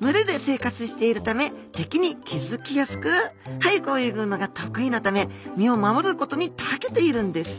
群れで生活しているため敵に気づきやすく速く泳ぐのが得意なため身を守ることにたけているんです